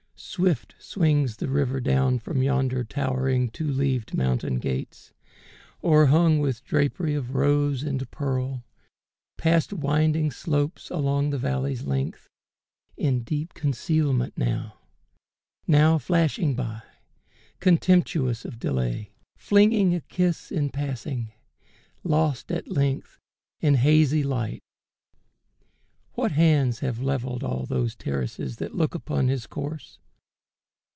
Swift swings the river down From yonder towering two leaved mountain gates, O'erhung with drapery of rose and pearl , Past winding slopes, along the valley's length, In deep concealment now, now flashing by, Contemptuous of delay, flinging a kiss In passing ; lost at length in hazy light. What hands have levelled all those terraces That look upon his course